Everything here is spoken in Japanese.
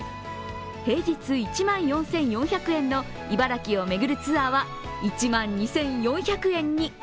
平日１万４４００円の茨城を巡るツアーは１万２４００円に。